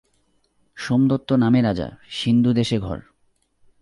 সোমদত্ত নামে রাজা সিন্ধু দেশে ঘর।